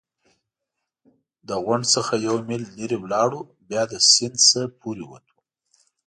له غونډ څخه یو میل لرې ولاړو، بیا له سیند نه پورې ووتو.